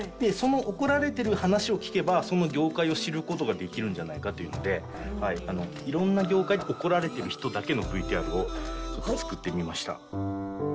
その怒られている話を聞けばその業界を知る事ができるんじゃないかというので色んな業界で怒られている人だけのＶＴＲを作ってみました。